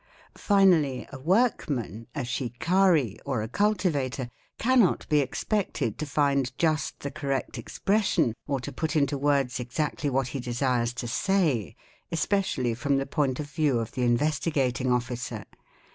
Finally a workman, a shikari, or a cultivator cannot be ex _ pected to find just the correct expression or to put into words exactly : what he desires to say, especially from the point of view of the Investi | gating Officer.